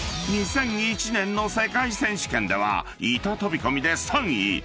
［２００１年の世界選手権では板飛び込みで３位］